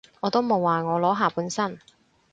我都冇話我裸下半身